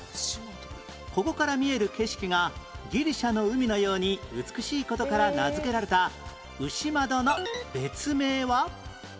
ここから見える景色がギリシャの海のように美しい事から名付けられた牛窓の別名は？